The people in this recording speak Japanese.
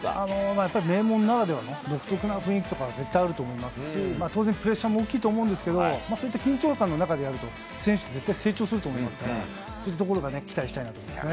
やっぱり、名門ならではの独特な雰囲気というのは絶対あると思いますし、当然、プレッシャーも大きいと思うんですけど、そういった緊張感の中でやると、選手って絶対成長すると思いますから、そういうところが期待したいですね。